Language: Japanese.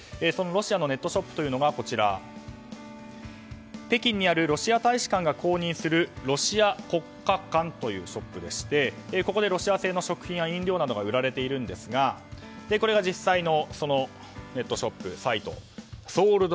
そのロシアのネットショップというのが北京にあるロシア大使館が公認するロシア国家館というショップでしてここでロシア製の食品や飲料などが売られているんですが実際のネットショップのサイトＳｏｌｄＯｕｔと。